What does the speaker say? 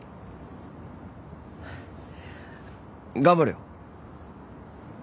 頑張れよ。